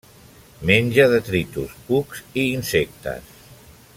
Menja detritus, cucs i insectes.